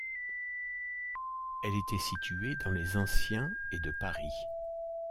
Elle était située dans les anciens et de Paris.